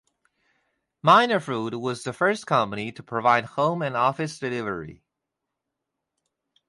Minor Food was the first company to provide home and office delivery.